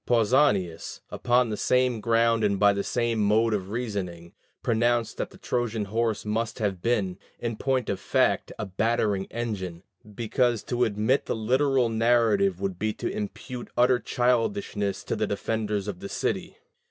Pausanias, upon the same ground and by the same mode of reasoning, pronounced that the Trojan horse must have been, in point of fact, a battering engine, because to admit the literal narrative would be to impute utter childishness to the defenders of the city.